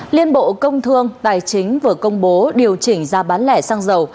liên bộ công thương tài chính vừa công bố điều chỉnh giá bán lẻ xăng dầu